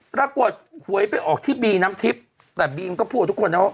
ปรากฏหวยไปออกที่บีน้ำทิพย์แต่บีมก็พูดกับทุกคนนะว่า